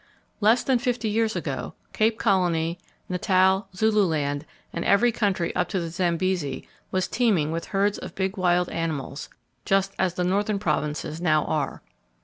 Less than fifty years ago, Cape Colony, Natal, Zululand, and every [Page 184] country up to the Zambesi was teeming with herds of big wild animals, just as the northern provinces now are.